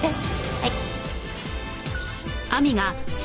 はい。